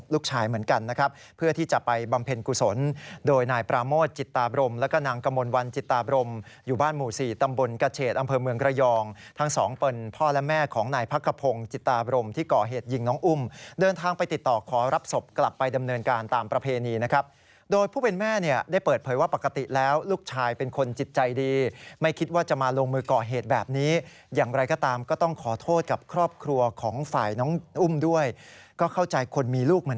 ลูกชายเหมือนกันนะครับเพื่อที่จะไปบำเพ็ญกุศลโดยนายประโมทจิตตาบรมและก็นางกะมนวันจิตตาบรมอยู่บ้านหมู่๔ตำบลกระเฉศอำเภอเมืองกระยองทั้งสองเป็นพ่อและแม่ของนายพักขพงศ์จิตตาบรมที่ก่อเหตุยิงน้องอุ้มเดินทางไปติดต่อขอรับศพกลับไปดำเนินการตามประเพณีนะครับโดยผู้เป็นแม่เนี่ยได้เป